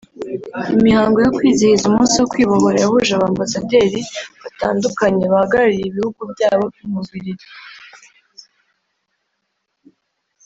Imihango yo kwizihiza umunsi wo kwibohora yahuje ba Ambasaderi batandukanye bahagarariye ibihugu byabo mu Bubiligi